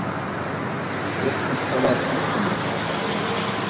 Resmi tkvalak mu tkumers?